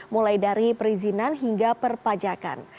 mulai dari perizinan hingga perpajakan